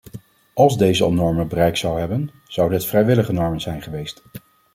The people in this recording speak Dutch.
Als deze al normen bereikt zou hebben, zouden het vrijwillige normen zijn geweest.